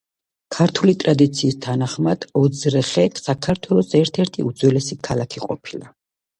ქართული ტრადიციის თანახმად, ოძრხე საქართველოს ერთ-ერთი უძველესი ქალაქი ყოფილა.